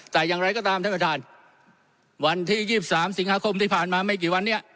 แต่อย่างไรก็ตามท่านประธานวันที่๒๓สิงหาคมที่ผ่านมาไม่กี่วันนี้